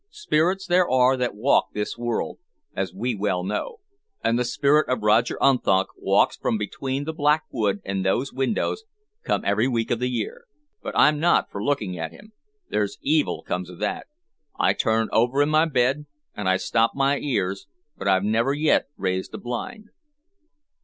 Spirits there are that walk this world, as we well know, and the spirit of Roger Unthank walks from between the Black Wood and those windows, come every week of the year. But I'm not for looking at him. There's evil comes of that. I turn over in my bed, and I stop my ears, but I've never yet raised a blind."